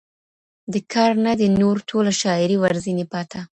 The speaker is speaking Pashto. o د كار نه دى نور ټوله شاعري ورځيني پاته.